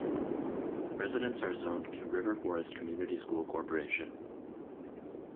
Residents are zoned to River Forest Community School Corporation.